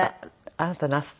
あなたなすった？